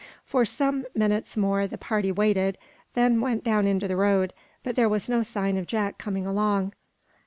For some minutes more the party waited, then went down into the road, but there was no sign of Jack coming along.